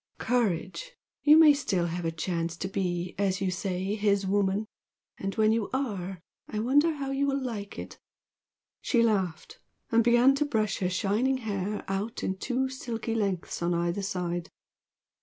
Courage! You may still have a chance to be, as you say, 'his woman!' And when you are I wonder how you will like it!" She laughed, and began to brush her shining hair out in two silky lengths on either side.